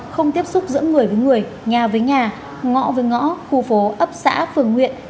không tiếp xúc giữa người với người nhà với nhà ngõ với ngõ khu phố ấp xã phường huyện